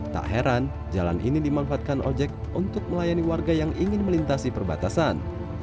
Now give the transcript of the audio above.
tak heran jalan ini dimanfaatkan ojek untuk melayani warga yang ingin melintasi perbatasan